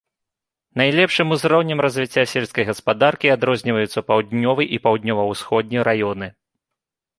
Найлепшым узроўнем развіцця сельскай гаспадаркі адрозніваюцца паўднёвы і паўднёва-ўсходні раёны.